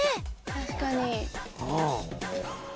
確かに。